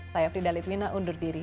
saya fridhali twina undur diri